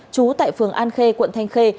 trú tại phường an khê quận thanh khê